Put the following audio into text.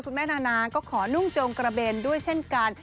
แม่นานาก็ขอนุ่งจงกระเบนด้วยเช่นกัน